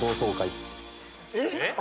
えっ？